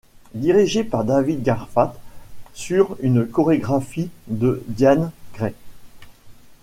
Dirigée par David Garfath sur une chorégraphie de Diane Grey.